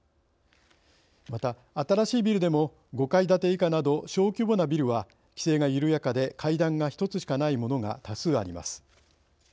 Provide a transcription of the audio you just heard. また新しいビルでも５階建て以下など小規模なビルは規制が緩やかで階段が１つしかないものが多数あります。